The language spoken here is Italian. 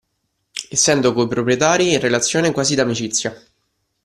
Essendo coi proprietari in relazione quasi d'amicizia.